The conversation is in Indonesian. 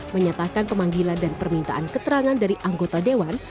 menyatakan pemanggilan dan permintaan keterangan dari anggota dewan